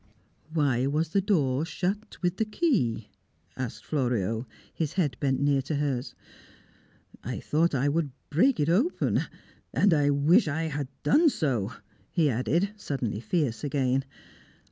"Why was the door shut with the key?" asked Florio, his head near to hers. "I thought I would break it open And I wish I had done so," he added, suddenly fierce again.